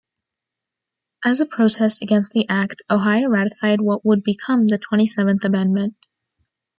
As a protest against the Act, Ohio ratified what would become the Twenty-seventh Amendment.